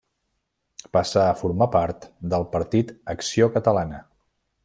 Passà a formar part del partit Acció Catalana.